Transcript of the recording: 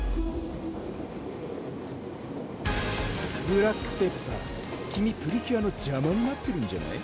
ブラックペッパー君プリキュアの邪魔になってるんじゃない？